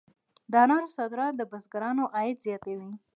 د انارو صادرات د بزګرانو عاید زیاتوي.